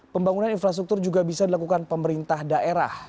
pembangunan infrastruktur juga bisa dilakukan pemerintah daerah